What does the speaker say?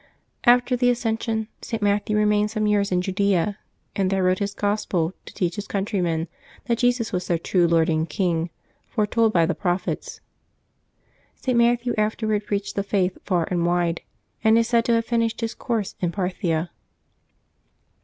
After the Ascension, St. Matthew remained some years in Judaea, and there wrote his gospel, to teach his countrymen that Jesus was their true Lord and King, foretold by the prophets. St. Matthew afterward preached the Faith far and wide, and is said to have finished his course in Parthia.